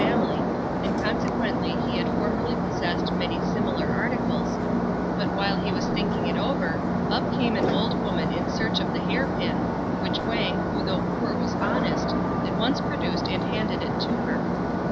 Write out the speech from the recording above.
67 and consequently he had formerly possessed many similar articles ; but while he was thinking it over up came an old woman in search of the hair pin, which Wang, who though poor was honest, at once produced and handed to her.